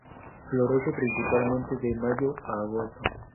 Florece principalmente de mayo a agosto.